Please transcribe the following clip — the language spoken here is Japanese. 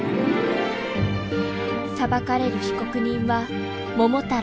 裁かれる被告人は桃太郎。